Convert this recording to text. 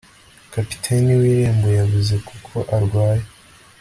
Kapiteni wirembo yabuze kuko arwaye